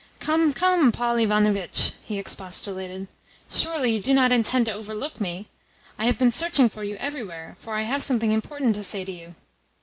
"Come, come, Paul Ivanovitch!" he expostulated. "Surely you do not intend to overlook me? I have been searching for you everywhere, for I have something important to say to you."